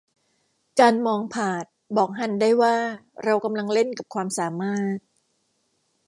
การมองผาดบอกฮันได้ว่า เรากำลังเล่นกับความสามารถ